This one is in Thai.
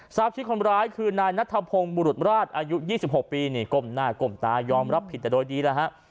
ชื่อคนร้ายคือนายนัทพงศ์บุรุษราชอายุ๒๖ปีนี่ก้มหน้าก้มตายอมรับผิดแต่โดยดีแล้วฮะ